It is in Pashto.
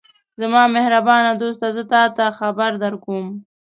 زما مهربانه دوسته! زه تاته خبر درکوم.